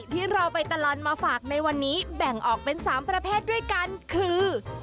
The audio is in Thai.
ที่เราไปตลอดมาฝากในวันนี้แบ่งออกเป็น๓ประเภทด้วยกันคือ